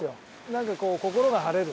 なんかこう心が晴れるね。